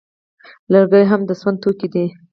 لرګي هم د سون توکي دي